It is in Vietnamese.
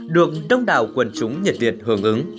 được đông đảo quần chúng nhật việt hưởng ứng